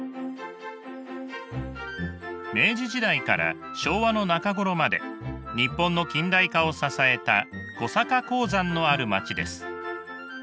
明治時代から昭和の中頃まで日本の近代化を支えた小坂鉱山のある町です。